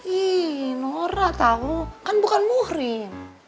ih norah tau kan bukan muhrim